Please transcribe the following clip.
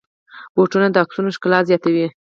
بوټونه د عکسونو ښکلا زیاتوي.